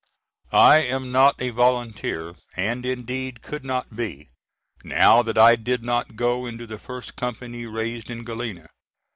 I am not a volunteer, and indeed could not be, now that I did not go into the first Company raised in Galena.